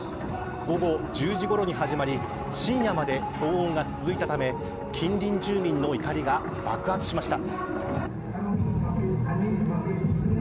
午後１０時ごろに始まり深夜まで騒音が続いたため近隣住民の怒りが爆発しました。